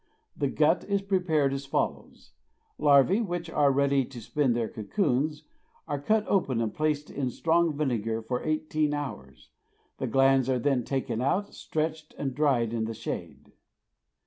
The "gut" is prepared as follows: Larvae which are ready to spin their cocoons are cut open and placed in strong vinegar for eighteen hours; the glands are then taken out, stretched and dried in the shade.